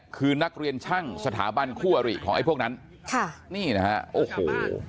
คือนักเรียนช่างสถาบันคู่อริของไอ้พวกนั้นค่ะนี่นะฮะโอ้โห